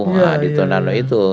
nah di tondano itu